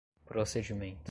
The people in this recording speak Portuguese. procedimento